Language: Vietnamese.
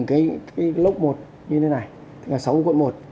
cái lốc một như thế này là sáu quận một